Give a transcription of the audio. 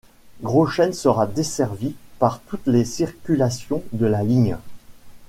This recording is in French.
Gros Chêne sera desservie par toutes les circulations de la ligne.